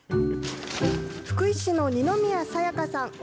福井市の二宮さやかさん。